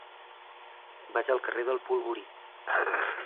Vaig al carrer del Polvorí.